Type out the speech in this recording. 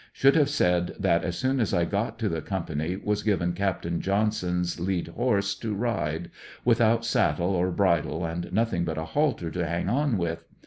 Should have said thtit as soon as I got to the company, was given Capt. Johnson's lead horse to ride, without saddle or bridle and nothing but a halter to hang on with.